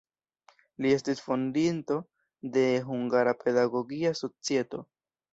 Li estis fondinto de "Hungara Pedagogia Societo".